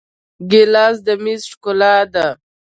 ګیلاس د میز ښکلا ده.